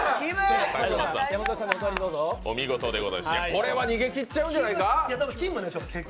これは逃げきっちゃうんじゃないか？